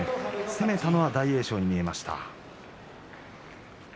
攻めたのは大栄翔に見えました。